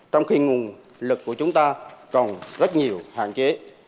trong khi nguồn lực của chúng ta còn rất nhiều hạn chế